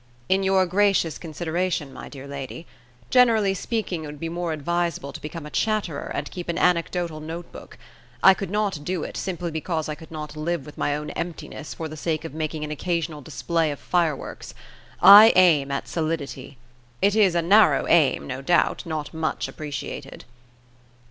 "In your gracious consideration, my dear lady. Generally speaking, it would be more advisable to become a chatterer and keep an anecdotal note book. I could not do it, simply because I could not live with my own emptiness for the sake of making an occasional display of fireworks. I aim at solidity. It is a narrow aim, no doubt; not much appreciated."